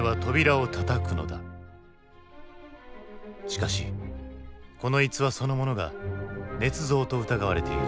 しかしこの逸話そのものがねつ造と疑われている。